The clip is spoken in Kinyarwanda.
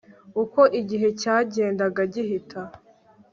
uko igihe cyagendaga gihita